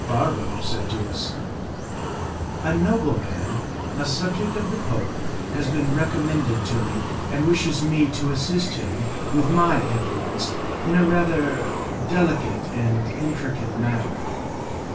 Barbaro said to us, "A nobleman, a subject of the Pope, has been recommended to me, and wishes me to assist him with my influence in a rather delicate and intricate matter.